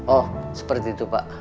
oh seperti itu pak